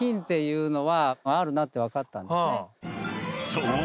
［そう。